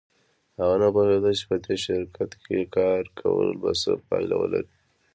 هغه نه پوهېده چې په دې شرکت کې کار کول به څه پایله ولري